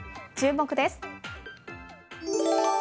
注目です。